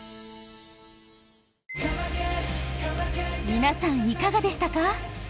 皆さんいかがでしたか？